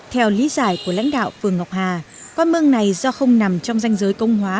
theo lý giải của lãnh đạo phường ngọc hà con mương này do không nằm trong danh giới công hóa